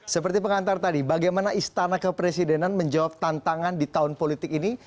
seperti pengantar tadi bagaimana istana kepresidenan menjawab tantangan di tahun politik ini